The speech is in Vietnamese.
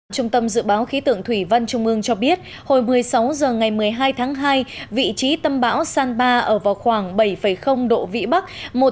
trung tâm dự báo khí tượng thủy văn trung ương cho biết hồi một mươi sáu h ngày một mươi hai tháng hai vị trí tâm bão san ba ở vào khoảng bảy độ vĩ bắc